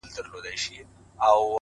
و تاسو ته يې سپين مخ لارښوونکی” د ژوند”